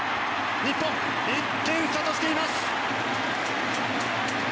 日本、１点差としています。